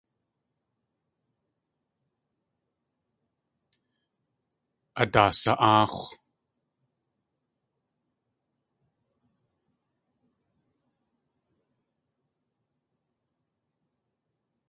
Adaasa.áax̲w.